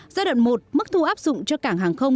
giai đoạn một mức thu áp dụng cho cảng hàng không